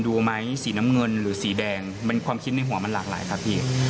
ดูไหมสีน้ำเงินหรือสีแดงความคิดในหัวมันหลากหลายครับพี่